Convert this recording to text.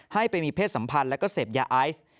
ให้ไปมีเพศสัมพันธ์แล้วก็เสพยาไอซ์